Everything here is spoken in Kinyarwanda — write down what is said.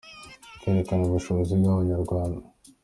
Kwerekana ubushobozi bw’Abanyarwanda.